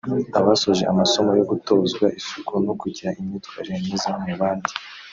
Abasoje amasomo yo gutozwa isuku no kugira imyitwarire myiza mu bandi